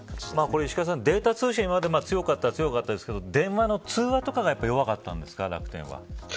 石川さんデータ通信は強かったですけど電話の通話とかが楽天は弱かったんですか。